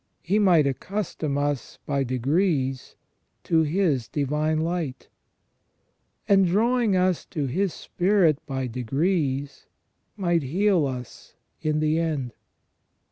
He might accustom us by degrees to His divine light, and drawing us to His spirit by degrees, might heal us in the end.